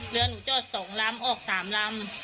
เรือหนูจอด๒ลำออก๓ลำ